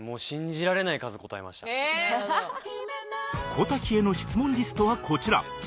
小瀧への質問リストはこちら